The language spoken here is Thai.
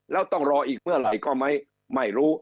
แล้วต้องรออีกเมื่อไหร่ก็ไม่รู้